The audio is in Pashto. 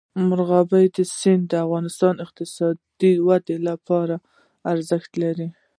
مورغاب سیند د افغانستان د اقتصادي ودې لپاره ارزښت لري.